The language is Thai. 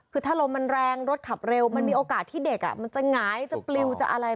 คือถ้าลมมันแรงรถขับเร็วมันมีโอกาสที่เด็กมันจะหงายจะปลิวจะอะไร